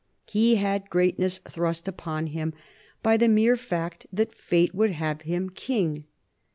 He had greatness thrust upon him by the mere fact that fate would have him King.